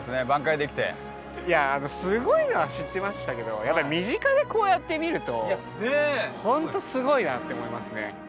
いやすごいのは知ってましたけどやっぱり身近でこうやって見ると本当すごいなって思いますね。